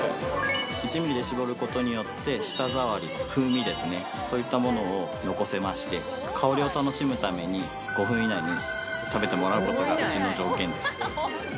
１ミリで絞ることによって、舌触り、風味ですね、そういったものを残せまして、香りを楽しむために、５分以内に食べてもらうことが、うちの条件です。